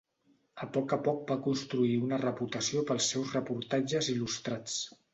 A poc a poc va construir una reputació pels seus reportatges il·lustrats.